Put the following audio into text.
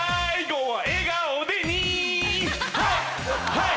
はい！